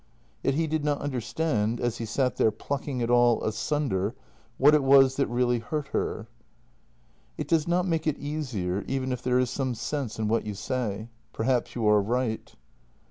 Yet he did not understand, as he sat there plucking it all asunder, what it was that really hurt her: " It does not make it easier even if there is some sense in what you say. Perhaps you are right."